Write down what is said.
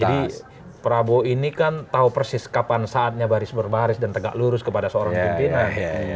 jadi prabowo ini kan tahu persis kapan saatnya baris berbaris dan tegak lurus kepada seorang pimpinan